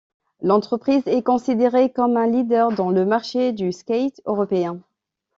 L'entreprise est considérée comme un leader dans le marché du skate européen.